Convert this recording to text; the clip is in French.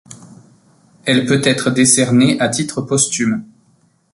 Elle peut être décernée à titre posthume.